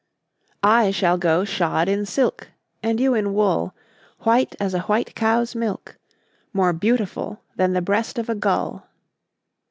I shall go shod in silk, And you in wool, White as a white cow's milk, More beautiful Than the breast of a gull.